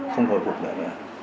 không hồi phục nữa nữa